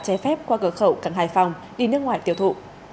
chế phép qua cửa khẩu cần hải phòng đi nước ngoài tiêu thụ